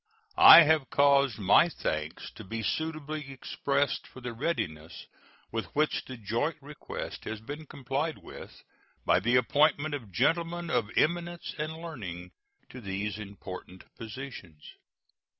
I have caused my thanks to be suitably expressed for the readiness with which the joint request has been complied with, by the appointment of gentlemen of eminence and learning to these important positions.